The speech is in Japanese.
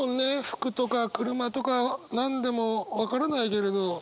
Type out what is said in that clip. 服とか車とか何でも分からないけれど。